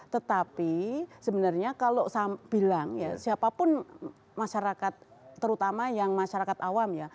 tetapi sebenarnya kalau saya bilang ya siapapun masyarakat terutama yang masyarakat awam ya